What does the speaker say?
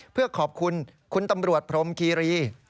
เพื่อขอบคุณคุณตำรวจพรมคีรี